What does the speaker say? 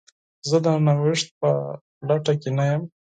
زه د نوښت په لټه کې نه یم.